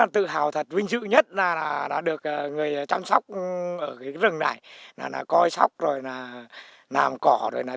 thật vinh dự nhất là được người chăm sóc rừng này coi sóc làm cỏ